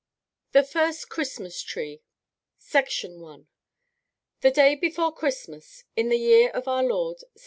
THE FIRST CHRISTMAS TREE I The day before Christmas, in the year of our Lord 722.